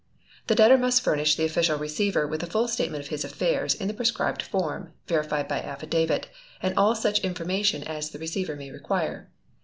The debtor must furnish the Official Receiver with a full statement of his affairs in the prescribed form, verified by affidavit, and all such information as the Receiver may require.